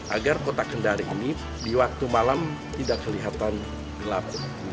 agar kota kendari ini di waktu malam tidak kelihatan gelap